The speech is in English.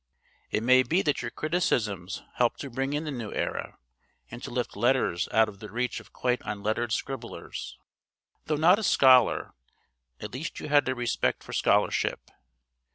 It may be that your criticisms helped to bring in the new era, and to lift letters out of the reach of quite unlettered scribblers. Though not a scholar, at least you had a respect for scholarship.